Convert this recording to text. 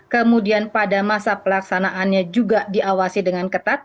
kemudian pada masa pelaksanaannya juga diawasi dengan ketat